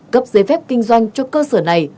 cấp giấy phép kinh doanh cho cơ sở này